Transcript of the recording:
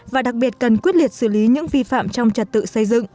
và đặc biệt cần quyết liệt xử lý những vi phạm trong trật tự xây dựng